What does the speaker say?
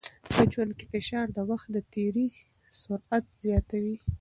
په ژوند کې فشار د وخت د تېري سرعت زیاتوي.